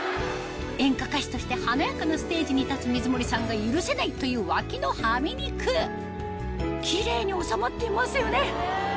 演歌歌手として華やかなステージに立つ水森さんが許せない！という脇のハミ肉キレイに収まっていますよね